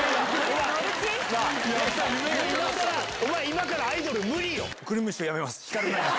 今からアイドル無理よ！